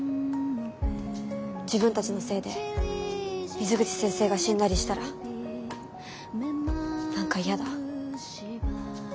自分たちのせいで水口先生が死んだりしたら何か嫌だ。